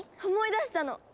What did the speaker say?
思い出したの！